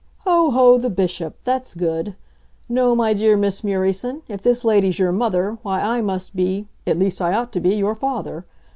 "Ho! ho! The Bishop that's good. No, my dear Miss Murieson, if this lady's your mother, why, I must be at least, I ought to be, your father.